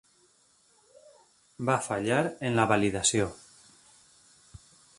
Va fallar en la validació.